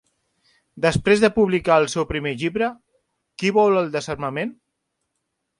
Després de publicar el seu primer llibre, "Qui vol el desarmament?"